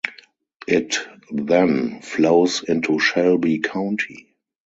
It then flows into Shelby County.